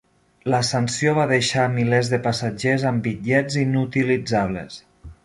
La sanció va deixar milers de passatgers amb bitllets inutilitzables.